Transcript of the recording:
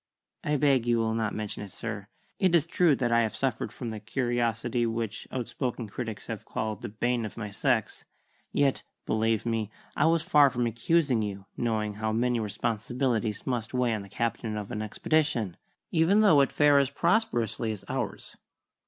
"I beg you will not mention it, sir. It is true that I suffered from the curiosity which outspoken critics have called the bane of my sex; yet, believe me, I was far from accusing you, knowing how many responsibilities must weigh on the captain of an expedition, even though it fare as prosperously as ours."